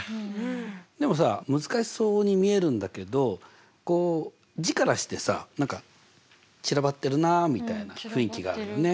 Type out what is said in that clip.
でもさ難しそうに見えるんだけどこう字からしてさ何か散らばってるなみたいな雰囲気があるね。